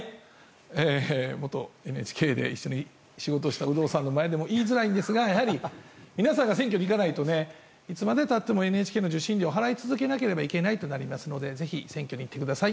元ＮＨＫで一緒に仕事をした有働さんの前で言いづらいんですがやはり皆さんが選挙に行かないといつまでたってもＮＨＫの受信料を払い続けなくなるので皆さん、行ってください。